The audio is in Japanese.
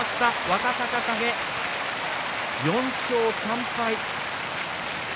若隆景、４勝３敗。